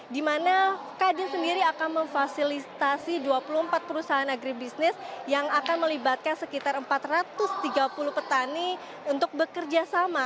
di mana kadin sendiri akan memfasilitasi dua puluh empat perusahaan agribisnis yang akan melibatkan sekitar empat ratus tiga puluh petani untuk bekerja sama